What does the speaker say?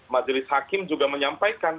majelis hakim juga menyampaikan